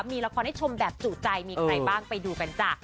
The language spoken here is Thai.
มีละครให้ชมแบบจุใจมีใครบ้างไปดูกันจ้ะ